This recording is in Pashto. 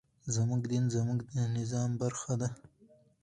زموږ دين زموږ د نظام برخه ده.